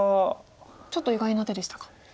ちょっと意外な手でしたか。